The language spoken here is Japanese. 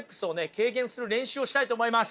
軽減する練習をしたいと思います！